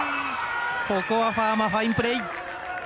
ここはファーマファインプレー。